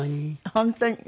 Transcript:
本当に。